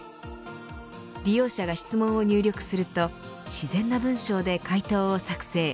利用者が質問を入力すると自然な文章で回答を作成。